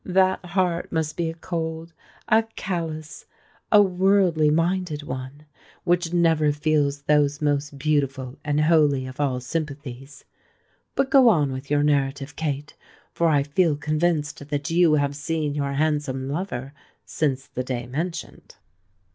"That heart must be a cold—a callous—a worldly minded one, which never feels those most beautiful and holy of all sympathies! But go on with your narrative, Kate; for I feel convinced that you have seen your handsome lover since the day mentioned."